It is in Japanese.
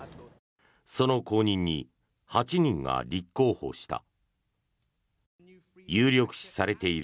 その後任に８人が立候補した。